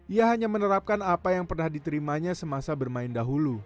ia hanya menerapkan apa yang pernah diterimanya semasa bermain dahulu